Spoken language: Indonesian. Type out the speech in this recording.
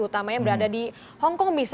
utama yang berada di hongkong